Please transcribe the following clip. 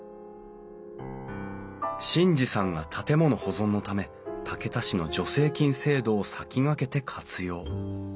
眞二さんが建物保存のため竹田市の助成金制度を先駆けて活用。